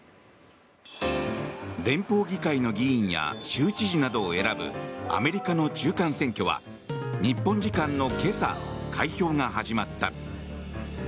連邦議会の議員や州知事などを選ぶアメリカの中間選挙は日本時間の今朝開票が始まった。